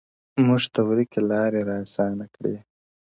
موږ ته ورکي لاري را آسانه کړي!